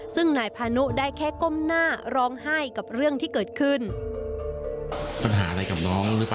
ซึ่งนายพานุได้แค่ก้มหน้าร้องไห้กับเรื่องที่เกิดขึ้น